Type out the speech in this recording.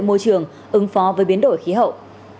môi trường ứng phó với biến đổi khí hậu